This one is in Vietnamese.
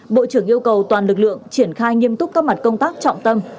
bộ trưởng yêu cầu toàn lực lượng triển khai nghiêm túc các mặt công tác trọng tâm